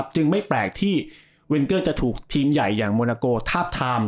จึงไม่แปลกที่เวนเกอร์จะถูกทีมใหญ่อย่างโมนาโกทาบทาม